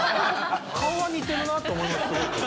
顔は似てるなと思いますけど。